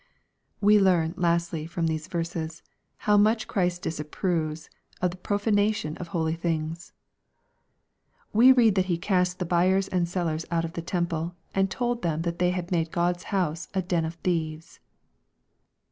We learn, lastly, from these verses, how much Christ disapproves of the profanation of holy things. We read that He cast the buyers and sellers out of the temple, and told them that they had made God's house " a den of thieves."